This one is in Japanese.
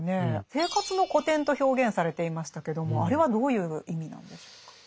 「生活の古典」と表現されていましたけどもあれはどういう意味なんでしょうか。